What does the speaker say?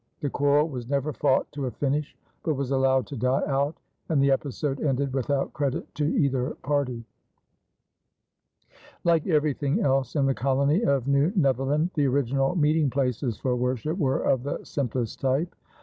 The quarrel was never fought to a finish but was allowed to die out, and the episode ended without credit to either party. Like everything else in the colony of New Netherland, the original meeting places for worship were of the simplest type.